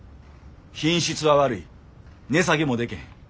品質は悪い値下げもでけへん。